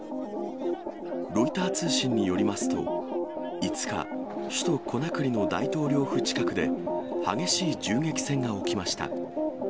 ロイター通信によりますと、５日、首都コナクリの大統領府近くで、激しい銃撃戦が起きました。